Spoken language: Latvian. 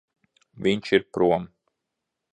Viņš ir prom.